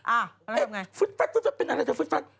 อ้าวแล้วทำอย่างไรฟึ๊ดฟัดเป็นอะไรฟึ๊ดฟัด